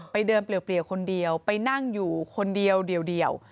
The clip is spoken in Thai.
ไปเดินเปรียวคนเดียวไปนั่งอยู่คนเดียว